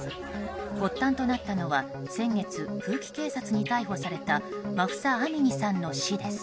発端となったのは先月、風紀警察に逮捕されたマフサ・アミニさんの死です。